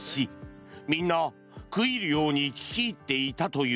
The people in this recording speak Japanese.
みんな食い入るように聞き入っていたという。